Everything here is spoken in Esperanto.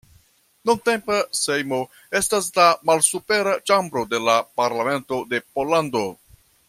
Nuntempa Sejmo estas la malsupera ĉambro de la parlamento de Pollando.